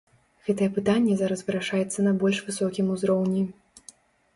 Гэтае пытанне зараз вырашаецца на больш высокім узроўні.